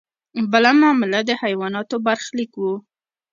بله معامله د حیواناتو برخلیک و.